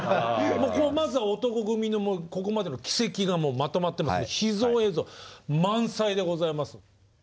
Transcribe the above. まずは男闘呼組のここまでの軌跡がまとまってますんで秘蔵映像満載でございます。